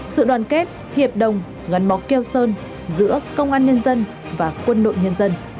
sự đoàn kết hiệp đồng ngắn móc kêu sơn giữa công an nhân dân và quân đội nhân dân